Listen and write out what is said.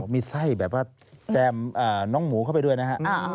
มีไส้แบบว่าแจมน้องหมูเข้าไปด้วยนะฮะ